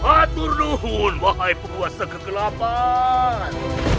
atur nuhun wahai pekuasa kegelapan